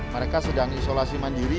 mereka sedang isolasi mandiri